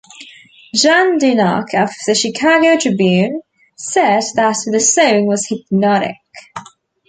Jan DeKnock of the "Chicago Tribune" said that the song was "hypnotic".